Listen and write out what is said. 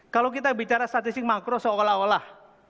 kalau kita bicara statistik makro seolah olah